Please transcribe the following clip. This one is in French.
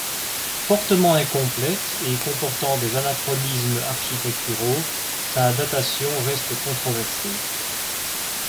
Fortement incomplète et comportant des anachronismes architecturaux, sa datation reste controversée.